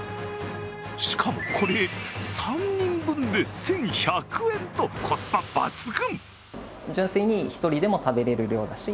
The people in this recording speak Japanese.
しかもこれ、３人分で１１００円とコスパ抜群。